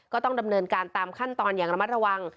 ก็ต้องดำเนินการตามขั้นตอนอย่างระมัดระวัง